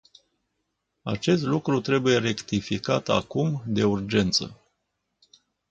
Acest lucru trebuie rectificat acum, de urgență.